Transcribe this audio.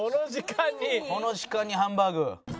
この時間にハンバーグ。